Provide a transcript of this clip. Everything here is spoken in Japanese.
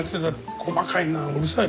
細かいなうるさい。